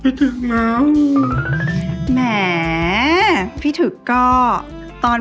พี่ถึกจ้าชายหญิงอยู่ในห้องด้วยกันซะ